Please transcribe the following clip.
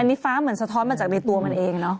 อันนี้ฟ้าเหมือนสะท้อนมาจากในตัวมันเองเนอะ